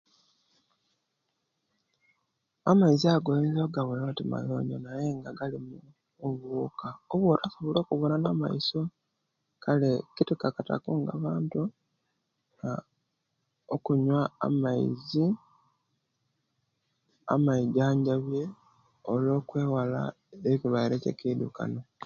Amaizi ago oyinza ogabona oti mayonjo naye nga galimu obuuka obwotasobola okuwona namaiso kale kitukakata ku nga abantu okunyuwa amazi amaijanjabye olwo kwewala ekiruaire kye kidukano